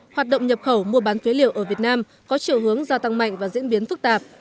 hoạt động nhập khẩu mua bán phế liệu ở việt nam có chiều hướng gia tăng mạnh và diễn biến phức tạp